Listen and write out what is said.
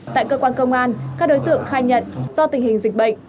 tại cơ quan công an các đối tượng khai nhận do tình hình dịch bệnh